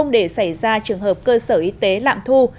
để xảy ra trường hợp cơ sở y tế lạm thu